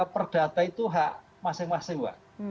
perdata itu hak masing masing pak